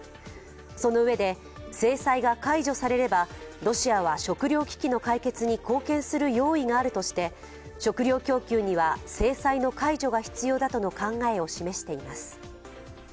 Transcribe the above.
そのうえで、制裁が解除されればロシアは食糧危機の解決に貢献する用意があるとして、食糧供給には制裁の解除が必要だとの考えを示しています。